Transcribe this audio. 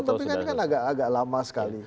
nah ini kan agak agak lama sekali